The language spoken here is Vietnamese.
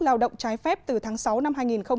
lao động trái phép từ tháng sáu năm hai nghìn một mươi chín